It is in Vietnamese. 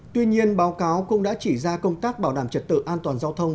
tuy nhiên báo cáo cũng đã chỉ ra công tác bảo đảm trật tự an toàn giao thông